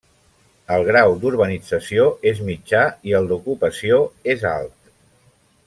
El grau d'urbanització és mitjà i el d'ocupació és alt.